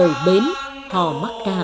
hò rời bến hò mắc cạn hò cập bến